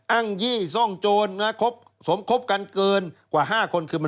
ยี่ซ่องโจรสมคบกันเกินกว่า๕คนคือ